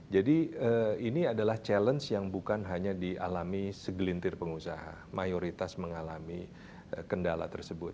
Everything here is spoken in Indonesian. jadi ini adalah challenge yang bukan hanya dialami segelintir pengusaha mayoritas mengalami kendala tersebut